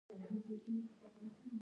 دا ماڼۍ په نولسمې پېړۍ کې جوړه شوې وه.